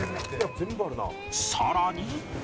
さらに